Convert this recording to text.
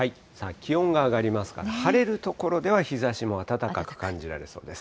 気温が上がりますから、晴れる所では日ざしも暖かく感じられそうです。